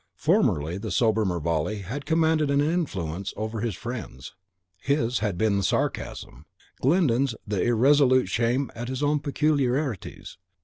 Formerly the sober Mervale had commanded an influence over his friend: HIS had been the sarcasm; Glyndon's the irresolute shame at his own peculiarities.